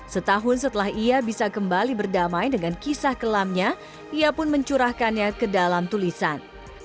setahun setelah ia bisa kembali berdamai dengan kisah kelamnya ia pun mencurahkannya ke dalam tulisan